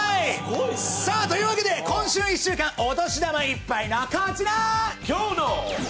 さあというわけで今週１週間お年玉いっぱいなこちら！